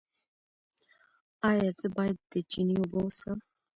ایا زه باید د چینې اوبه وڅښم؟